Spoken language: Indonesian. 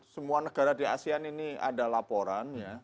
semua negara di asean ini ada laporan